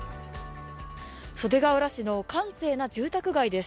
袖ケ浦市の閑静な住宅街です。